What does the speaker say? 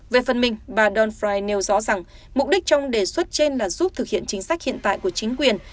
về phần mình bà don frani nêu rõ rằng mục đích trong đề xuất trên là giúp thực hiện chính sách hiện tại của chính quyền